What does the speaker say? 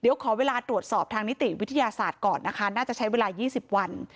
เดี๋ยวขอเวลาตรวจสอบทางนิติวิทยาศาสตร์ก่อนนะคะน่าจะใช้เวลา๒๐วัน